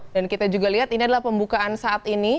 dan kita juga lihat ini adalah pembukaan saat ini